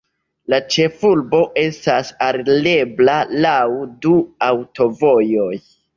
La ĉefurbo estas alirebla laŭ du aŭtovojoj.